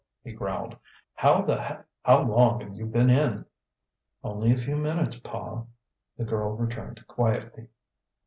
he growled. "How the h how long've you been in?" "Only a few minutes, pa," the girl returned quietly.